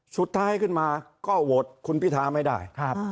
สุดท้ายขึ้นมาก็โหวตคุณพิทาไม่ได้